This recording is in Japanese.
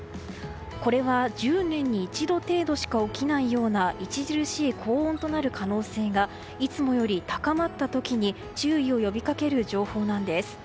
これは１０年に一度程度しか起きないような著しい高温となる可能性がいつもより高まった時に注意を呼びかける情報なんです。